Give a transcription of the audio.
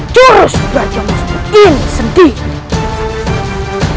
curus raja musuh ini sendiri